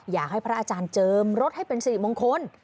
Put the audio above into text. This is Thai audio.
อยากให้พระอาจารย์เจิมรถให้เป็นสิริมงคล